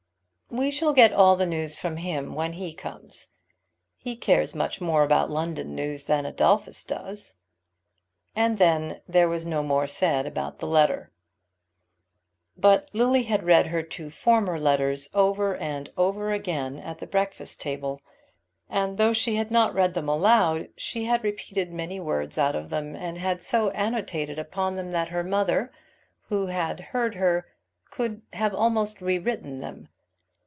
We shall get all the news from him when he comes. He cares much more about London news than Adolphus does." And then there was no more said about the letter. But Lily had read her two former letters over and over again at the breakfast table; and though she had not read them aloud, she had repeated many words out of them, and had so annotated upon them that her mother, who had heard her, could have almost re written them.